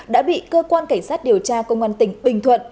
đã bị cơ quan cảnh sát điều tra công an tỉnh bình thuận